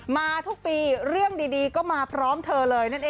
มาทุกปีเรื่องดีก็มาพร้อมเธอเลย